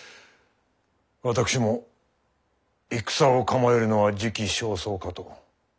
私も戦を構えるのは時期尚早かと。